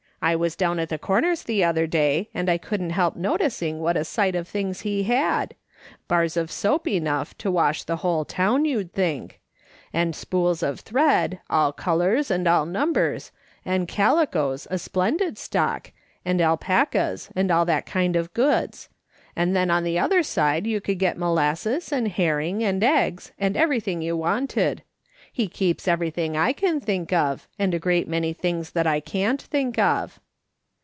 I was down at the Corners the other day, and I couldn't help noticing what a sight of things he had ! Bars of soap enough to wash the whole town, you'd think ; and spools of thread, all colours and all numbers, and calicoes, a splendid stock, and alpacas, and all that kind of goods ; and then on the other side you could get molasses and herring and eggs, and anything you wanted. He keeps every thing I can think of, and a great many things that I I9S MRS. SOLOMON SMITH LOOKING ON. can't think of.'